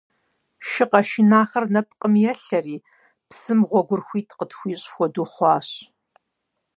Шы къэшынахэр нэпкъым елъэри, псым гъуэгур хуит къытхуищӀ хуэдэу хъуащ.